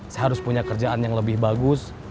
saya harus punya kerjaan yang lebih bagus